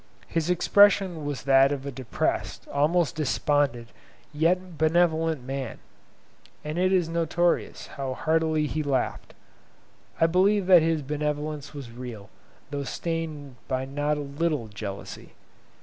His expression was that of a depressed, almost despondent yet benevolent man; and it is notorious how heartily he laughed. I believe that his benevolence was real, though stained by not a little jealousy.